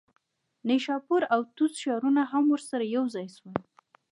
نیشاپور او طوس ښارونه هم ورسره یوځای شول.